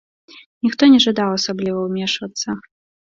Ніхто не жадаў асабліва ўмешвацца.